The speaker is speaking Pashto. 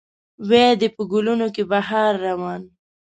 وي دې په ګلونو کې بهار روان